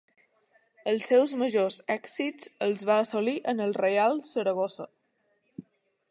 Els seus majors èxits els va assolir en el Reial Saragossa.